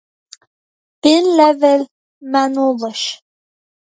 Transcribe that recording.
B'shin leibhéal m'aineolais.